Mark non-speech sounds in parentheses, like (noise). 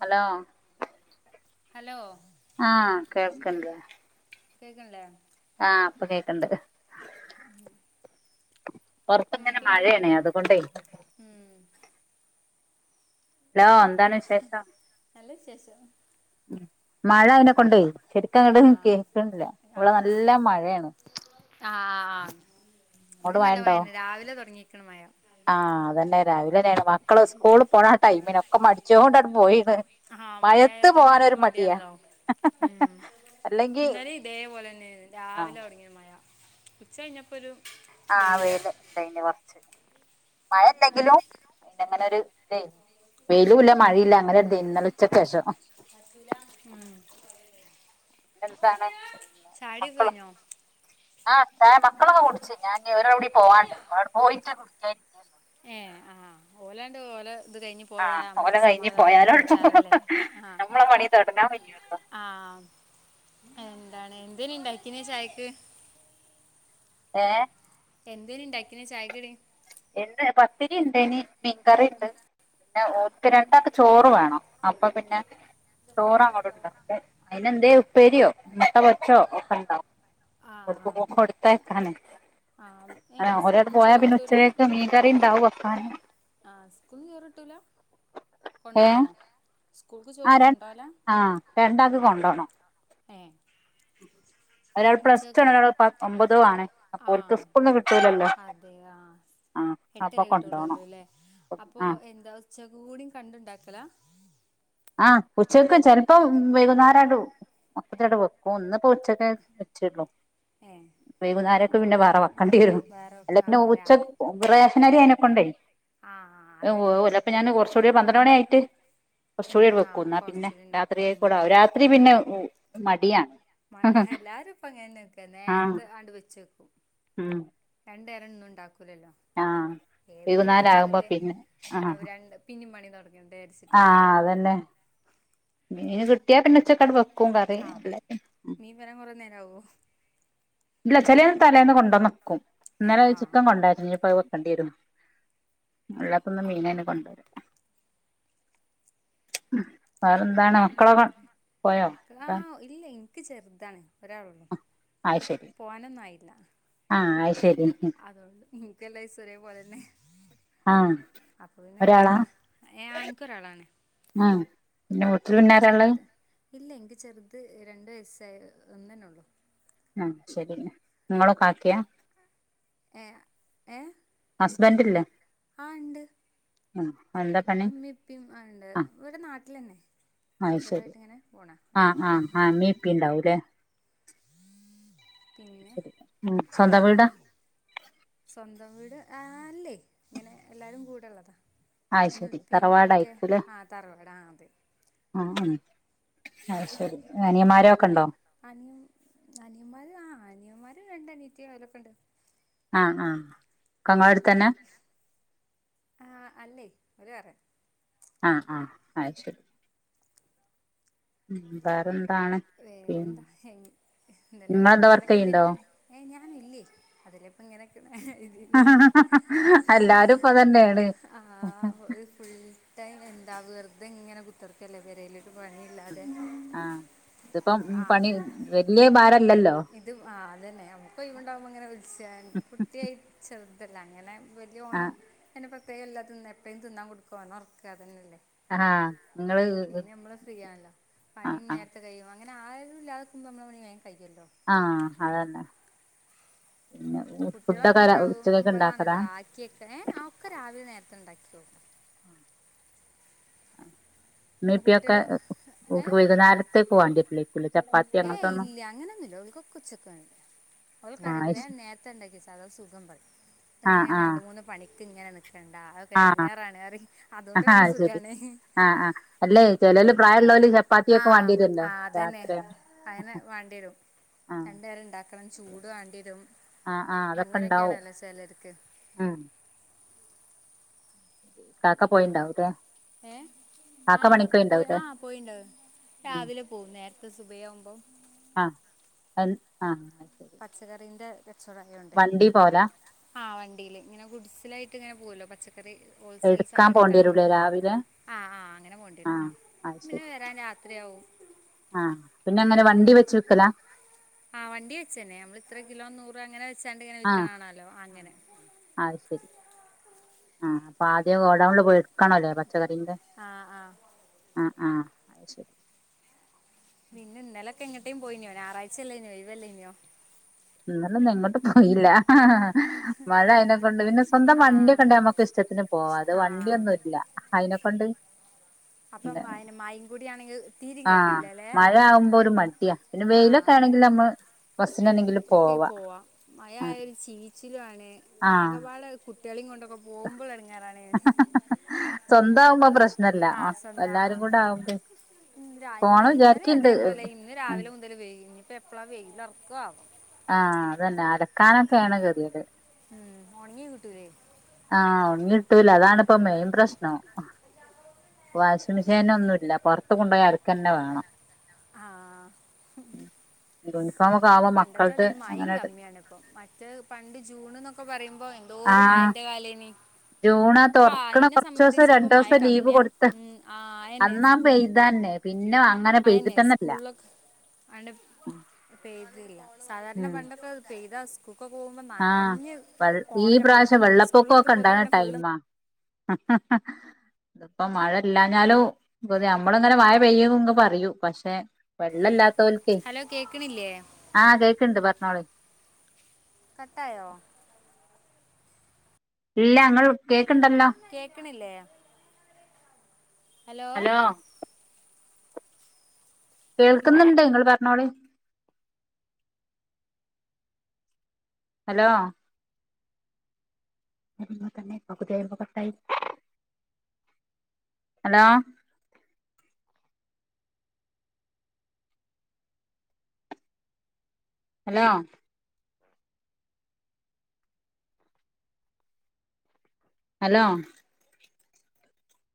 Hello. Hello. ആഹ കേൾക്കില്യേ. കേക്ക്ൻല്ലേ ആ പ്പൊ കേക്ക്ണ്ട് പൊറ്ത്ത് ങ്ങനെ എന്തൊക്കെയുണ്ട്? മഴയാണ് അത്കൊണ്ടേ ഉം ലോ എന്താണ് വിശേഷം നല്ല വിശേഷം മഴ അയ്നെ കൊണ്ടെ ശെരിക്കും അങ്ങട്ട് ആഹ് കേക്ക്ണില്ല ഇവിടെ നല്ല മഴേണ് ആ ആ ആ ഇവിടിം നല്ല മഴന്നെ രാവിലെ തൊടങ്ങിക്ക്ണ് മഴ ആ അതെന്നെ രാവിലെ ന്നേണ് മക്കള് സ്കൂളിൽ പോണ ടൈമിന് ഒക്കെ മടിച്ചോണ്ടണ്ട് പോയി ആ മഴ ആയാ തന്നെ മടിയാണല്ലോ അല്ലെങ്കി ഇന്നലേം ഇതേപോലെ തന്നെ രാവിലെ ആഹ് തൊടങ്ങിയ മഴ ഉച്ച കഴിഞ്ഞപ്പോരു ആ വെയ്ൽ ണ്ടായിന്ന് കൊർച്ച് മഴ ല്ലെങ്കിലും പിന്നങ്ങനൊരു തേര്ന്ന് വെയ്ലുല്ല മഴല്ല അങ്ങനൊരിതേന്ന് ഇന്നലെ ഉച്ചക്കേഷം (unintelligible) പി എന്താണ് പിന്നെ ചായുടിയൊക്കെ മക്കളും കഴിഞ്ഞോ ആ മക്കളൊക്കെ കുടിച്ച്. ഞാൻ ഒരാളും കൂടി പോവാണ്ട്. പോയിട്ട് കുടിക്കരിക്കാണ്. ഏ ആഹ് ഓലണ്ട് ഓല ആഹ് ഓലൊ കഴിഞ്ഞി പോയാലോളു. കുടിച്ചാലോ അല്ലേ നമ്മളെ പണി തടങ്ങാ പറ്റുള്ളൂ. ആ എന്തോന് ന് ഉണ്ടാക്കിയെന്ന് ചായക്ക്. ഏ എന്തിന് ഉണ്ടാക്കിയെന്ന് ചായക്ക് കടി. എന്ത് പത്തിരി ഉണ്ട് ന് മീൻകറിണ്ട്. പിന്നെ ഒര്ക് രണ്ടൊക്ക് ചോറ് വേണം അപ്പൊ പിന്നെ. ചോറ അങ്ങോടെണ്ട് അതിനന് എന്തേ ഉപ്പേരിയോ മുട്ട വച്ചോ ഒക്കെ ഇണ്ടാവും. ആഹ് ആഹ് കൊടുത്ത എ കാന ആഹ് അ ഏഹ് സ്കൂൾന്ന് ചോറ് ഒരട്ട്പോയാപിനെ. കിട്ടൂല ച്ചകക് മീകറിണ്ടാവും വക്കാന്. ആഹ് സ്കൂൾന്ന് ചോറ് കിട്ടൂല കൊണ്ടോണോ? സ്കൂൾക്ക് ആ ചോറ് ര കൊണ്ടോവല ആഹ രണ്ടക് കൊണ്ടോണം. ഏഹ് ഒരാൾ പ്ലസ് ടു ഉച്ചക്ക് ആണ് ഒരാൾ പ ഒമ്പതോ ആണ്. അപ്പൊ ഒക്ക് ആഹ് സ്കൂൾ ഒന്നും കിട്ടൂലല്ലോ? ആഹ് എട്ട് അപ്പൊ വരെ കൊണ്ടോണം കിട്ടുള്ളൂല്ലോ അല്ലേ അപ്പൊ ആഹ് എന്താ ഉച്ച കൂടിയും കണ്ടുണ്ടാക്ക. ല (unintelligible) ആഹ് ഉച്ചക്ക് ചെിലപ്പോം വൈകുന്നേരംണ്ടു. ഇടെ വെക്കും ഒന്ന്പ്പോ ഉച്ചക്കെ വെച്ചേള്ളൂ ഏഹ് വൈകുന്നേരം ക് പിന്നെ വേറെ കണ്ടി വരുന്നു വേറെ വെക്ക അല്ല പിന്നെ ആഹ് രാ ഉച്ച റേഷൻ നാരി അയിതിനെക്കൊണ്ടേ. ആഹ് വോവെല ഞാൻ അതന്നെ കുറച്ചുകൂടി പന്ത്ര മണിയിട്ട്. കുറച്ച ഉം കൂടിട് വെക്കും ആഹ് ന പിന്നെ കൊറച്ചൂടി ഇണ്ടാക്കി രാത്രിയ ഉം കൂടും രാത്രി പിന്നെ ആവും മടിയാണ്. എല്ലാരും ഇപ്പ അങ്ങന നെ വക്ക ആഹ് നേരത്തെ ആണ്ട് വെച്ച വെക്കും. ഉം രണ്ട് നോര ന്ന ഉണ്ടാക്കൂലല്ലോ? ആഹ് ഏതെങ്കിലുംക്കെ വൈകുന്നേരം ആകുമ്പോ ചിലതേ പിന്നെ ആഹ് രണ്ട് പിന്നും പണി തുടങ്ങണ്ടെചരിച്ചിട്ട്. മീന കിട്ടിയ പിന്നെ ഉച്ചക്കാട് വകും. ആഹ മീൻ വരാൻ കൊറെേ നേര ആവോ? ഇല്ല ചിലന്ന് തലേന്ന് കൊണ്ടുവന്നക്കും. ഏഹ് ഇന്നലെ ആഹ് ചുക്കൻ കൊണ്ടായിരുന്നുപ്പോത് വെക്കേണ്ടി വരും. (unintelligible) മീനെ കൊണ്ടുവരാ. ആഹ അ മക്കള ആ ഇല്ല എനിക്ക് ചെറുതാണ്. ഒരാള് ഉള്ളൂ അത് ശരി പോകാനൊന്നും ആയില്ല. ആഹ് അത് ശരി അതുകൊണ്ട് നിനക്ക്ല്ലാം ദിവസം ഒരേപോലെന്നെ. ആഹ് അപ്പൊ പിന്നെ എപ്പല്ല ഏ ആനിക്കൊരാളാണ്. ഉം പിന്നെ വീട്ടിൽ പിന്നാരള്ള്. ഇല്ല എനിക്ക് ചെറുത് രണ്ട് വയസ്സായ ഒന്ന് തന്നെ ഉള്ളു. ആ ശെരി നിങ്ങളും കാക്കിംയാ? ഏ ഏഹ ഹസ്ബെന്റില്ലേ? ആ ഇണ്ട് എന്താ പണി പിന്നെ ഇമ്മീം ഇപ്പിണ്ട് ഇവിടെ നാട്ടിലെന്നെ. അഹ് ശെരി ആ ആ ആ ഇമ്മീഇപ്പീ ഇണ്ടാവുംലെ? പിന്നെ ശെരി മം സ്വന്തം വീടാ? സ്വന്തം വീട് ആ അല്ലേ ഇങ്ങനെ എല്ലാരും കൂടെയിള്ളതാ. അത് ഇമ്മി ശരി ഇപ്പിയൊക്കെ തറവാടായിരിക്കൂല്ലേ ആ തറവാടാ ആ അത് ആ മം അഹ് ശെരി. സ്വന്തം വീട് അനിയ അനിയന്മാര് ആ അനിയന്മാര് രണ്ട് അനിയത്തി ഓലോക്കേണ്ട്. ആ ആ ഒക്കെങ്ങളെടുത്തെന്നെ? ഒരുവേറെ ആ ആ അഹ് ശെരി. മം വേറെന്താണ്? എന്താ പിന്നെ ഇന്നലെ നിങ്ങളെന്താ വർക്ക് ചെയ്യ്ണ്ടോ ഇന്നലൊക്കെന്തേനിം പരി ഏയ് ഞാനില്ലേ അതില്ലേപ്പോ ഇങ്ങനെ ഹ ഹ ഹ എല്ലാരും ഇപ്പൊ അതന്നെണ്. ആ ഒരു ഫുൾട്ടയിം എന്താ വെറുതെങ്ങനെ കുത്തർ ക്കല്ലേ പേരില് ഒരു പണിയില്ലാതെ. ഇത്പ്പം ആ പണി വെല്ല്യ ഭാ ഇത് ആ അതെന്നെ ഞമ്മക്ക്ണ്ടാവുമ്പോ ഇങ്ങനെ വിളിച്ചൻ കുട്ടിയായി ചെറു ഇതെല്ലാം അങ്ങനെ വെല്ല്യോനും ആഹ് അങ്ങനെ പ്രേത്യേകല്ല എപ്പോഴും തിന്നാൻ കൊടുക്കും ഓനെ ഉറക്ക അതന്നല്ലേ. ആ നിങ്ങള് ഫ്രീ ആണല്ലോ ആ പണി ആ നേരത്തെ കഴിയും അങ്ങനെ ആരുഇല്ലാതാകുമ്പോ മ്മളെ പണി മേ ആ അതെന്നെ. കുട്ടികളൊക്കെ ഉച്ചക്കൊക്കെ ഇണ്ടാക്കലാ ഉണ്ടാവുമ്പോളാണല്ലോ ആക്കിയൊക്ക ഏ ആ ഒക്കെ രാവിലെ നേരത്തെ ഇണ്ടാക്കിയോ ഇമ്മീം പിന്നെ ഇപ്പിയൊക്കെ കുട്ടികള് ഏ ഓൽക്ക് വൈകുന്നേരത്തേക്ക് വാണ്ടിവരില്ലേക്കുലേ ചപ്പാത്തി ഏയ് അങ്ങനത്തൊന്നും ഇല്ല അങ്ങനെന്നു ചേലോൽക്കൊക്ക ഉച്ചക്കാണ്. ഓലെക്കെ ആഹ് പറിം അത് വേം ശരി നേരത്തെ ഉണ്ടാക്കിചള്ള അതാ സുഖം പറിം ഇങ്ങനെ രണ്ട് ആഹ് മൂന്ന് പണി ക്ക് ഇങ്ങനെ നിക്കണ്ടാ ആഹ് അതൊക്കെടങ്ങാറാണ് പറിം അതോ ണ്ട് മ്മക്ക് സുഖാണ്. അല്ലെ ചേലോൽ പ്രായം ഉള്ളോല് ആ ആ അതെന്നെ അയിന് വാണ്ടിവെരും രണ്ട് നേരം ഇണ്ടാ ചൂട് വാണ്ടിവെരും. ആ ആ അതൊക്കെ ഇണ്ടാവും മം കാക്ക പോയിണ്ടാവുംലെ ഏ ആ പോയി ആ പോയിണ്ടാവും രാവിലെ പോകും നേർത്തെ സുബൈയാവു ആ അൽ ആ വണ്ടി പോവലാ ആ വണ്ടിയില് ഇങ്ങനെ ഗുഡ്‌സ്സിലായിട്ട് ഇങ്ങനെ പോവോലോ പച്ച എടുക്കാൻ പോണ്ടിരുലെ രാവിലെ? ആ ആ അങ്ങനെ പോണ്ടിരും ആഹ് പിന്നെ വെരാൻ രാത്രിയാവും. ആ പിന്നെ അങ്ങനെ വണ്ടി വെച്ച് വിക്കല? ആ വണ്ടീ വെച്ചേനെ നമ്മൾ ഇത്ര കിലോ നൂറ് അങ്ങനെ ച്ചാണ്ട് ഇങ്ങനെ ആഹ് വിൽക്കണാലോ അങ്ങനെ ആ അപ്പൊ ആദ്യ ഗോഡൗണിൽ പോയി എടുക്കണലേ പച്ചക്കറിന്റെ ആഹ് ആഹ് ആ ആ അഹ് ശെരി. പിന്നെ ഇന്നലൊക്കെ എങ്ങട്ടേലും പോയിനോ ഞായറാഴ്ച്ചല്ലൈനെ ഒഴിവല്ലയ്നോ? ഇന്നാലൊന്നും എങ്ങട്ടും പോയില്ല ഹ മഴ അയിനെക്കൊണ്ട് പിന്നെ സ്വന്തം ആഹ് വണ്ടിയൊക്കെണ്ട ഞമ്മക്ക് ഇഷ്ടത്തിന് പോവാ അത് ആഹ് വണ്ടിയൊന്നുല്ല അയിനെ പണ്ട് അപ്പം അയ്‌ന് മയിം കൂടി ആണെങ്കിൽ തീരിം ആ കഴിയൂലല്ലേ മഴ ആകുമ്പോ ഒരു മടിയാ പിന്നെ വെയിലൊക്കെ ആണെങ്കിൽ നമ്മൾ ഒന്ന് ഒക്കെ പോവാ മഴയ ഒരു ചീ ചീച്ചില്ലുവാണ് ആകെപാട് കുട്ടികളെയും കൊണ്ടോ ഹ ഹ ഹ സ്വന്താവുമ്പോ പ്രശ്നല്ല ആ സ്വന്തം എല്ലാരും ആ കൂടെ ആവുമ്പോ പോണം ഇന്നലെ വിചാരിക്ക്ണ്ട് അതേപോലെ ഇന്ന് രാവിലെ മുതൽ വയി ഇനിപ്പോ എപ്പഴാ വെയില്ല ക്കോ ആഹ അതന്നെ അലക്കാനൊക്കെയാണ് കെതിയെട് ഉം ഒണങ്ങി കിട്ടൂല്ലേ ആഹ് ഒണങ്ങി കിട്ടൂല അതാണിപ്പൊ മെയിൻ പ്രശ്നം വാഷിംഗ് മെഷീനോന്നുല്ല പൊ കൊണ്ടോയി അലക്കന്നെ വേണം ആ യൂണിഫോം ഒക്കെ ആവുമ്പോ മക്കളത് മഴിം അങ്ങനെ കമ്മിയാണിപ്പം മറ്റെ പണ്ട് ജൂൺന്നൊക്കെ പറയുമ്പോ അപ്പോ എന്തൊരു മഴന്റെ കാലെനി ജൂണാ തുറക്കണ കൊറച്ചൊസം മഴ രണ്ടൊവസം ലീവ് കമ്മിയാ കൊടുത്ത ഉം, ആ അന്നാ ആ പെയ്തന്നെ പിന്നെ അങ്ങനെ അയിന്നെ പെയ്തിട്ടന്നല്ല സ്കൂളിലൊക്കെ ആണ്ട് പെയ്തില്ല സാധാരണ ഉം പണ്ടൊക്കെ പെയ്താ സ് ഒക്കെ പോകുമ്പോൾ ആഹ് നനഞ്ഞ് വെ ഈ പോണം നമ്മൾ പ്രാവശ്യം സ്കൂളിലെത്തുമ്പോഴത്തേന് തന്നെ ഫുള്ള് അ അ അ ഇതിപ്പോ മഴ ഇല്ലഞ്ഞാലും നമ്മളിങ്ങനെ മഴ പെയ്യ്ങ് പറയൂം പക്ഷെ വെള്ളല്ലാത്ത തോൽക്കേ ഹലോ കേൾക്കണില്ലേ ആഹ കേക്കണ്ട് പറഞ്ഞോളി കട്ടായോ ഇല്ല ഞങ്ങൾ കേക്കണില്ലേ ഹലോ കേൾക്കുന്നുണ്ട് നിങ്ങൾ പറഞ്ഞോളി ഹലോ (unintelligible) ഹലോ ഹലോ ഹലോ